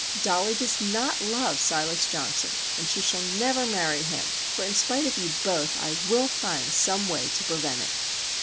Dollie does not love Silas Johnson and she shall never marry him, for in spite of you both I will find some way to prevent it."